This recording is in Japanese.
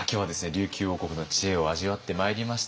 琉球王国の知恵を味わってまいりました。